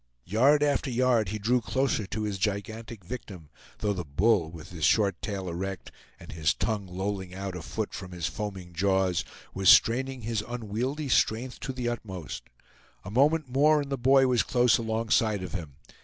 Yard after yard he drew closer to his gigantic victim, though the bull, with his short tail erect and his tongue lolling out a foot from his foaming jaws, was straining his unwieldy strength to the utmost. A moment more and the boy was close alongside of him.